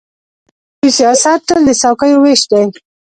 د دوی سیاست تل د څوکۍو وېش دی.